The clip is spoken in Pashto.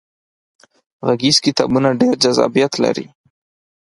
غږیز کتابونه ډیر جذابیت لري.